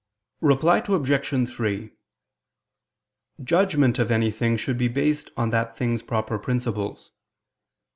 Reply Obj. 3: Judgment of anything should be based on that thing's proper principles.